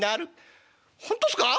「本当っすか？